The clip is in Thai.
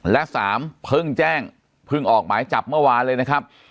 และ๓เพิ่งแจ้งเพิ่งออกหมายจับเมื่อวานเลยนะครับ